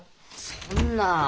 そんな。